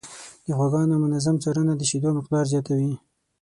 د غواګانو منظم څارنه د شیدو مقدار زیاتوي.